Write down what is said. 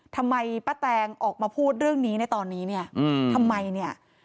ทำไมป้าแตงออกมาพูดเรื่องนี้ในตอนนี้เนี่ยทำไมเนี่ย